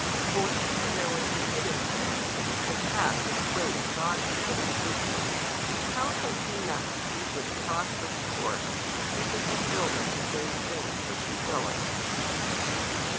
For He Who knoweth the hidden things, and hath this great and God befitting dignity, how shall He not speed with prosperous course to the fulfilment of those things which He willeth?